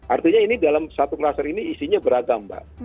artinya ini dalam satu kluster ini isinya beragam mbak